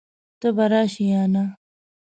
ته به راشې يا نه؟